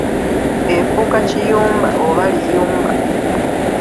Efuuka kiyumba oba liyumba.